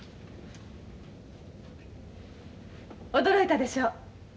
驚いたでしょう。